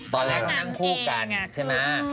ตอนแรกเขานั่งคู่กันใช่ไหม